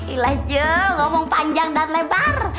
ilah jule ngomong panjang dan lebar